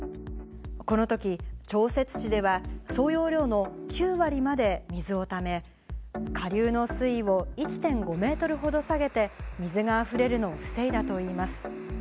このとき、調節池では総容量の９割まで水をため、下流の水位を１．５メートルほど下げて、水があふれるのを防いだといいます。